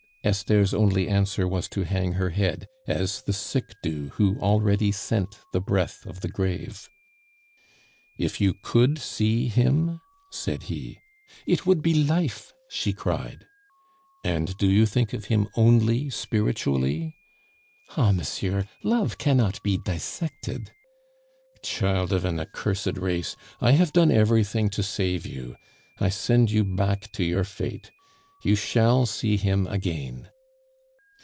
Esther's only answer was to hang her head as the sick do who already scent the breath of the grave. "If you could see him ?" said he. "It would be life!" she cried. "And do you think of him only spiritually?" "Ah, monsieur, love cannot be dissected!" "Child of an accursed race! I have done everything to save you; I send you back to your fate. You shall see him again."